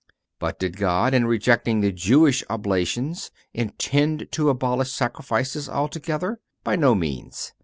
(395) But did God, in rejecting the Jewish oblations, intend to abolish sacrifices altogether? By no means.